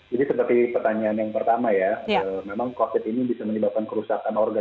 jadi seperti pertanyaan yang pertama ya memang covid ini bisa menyebabkan kerusakan organ